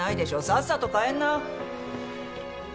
さっさと帰んな。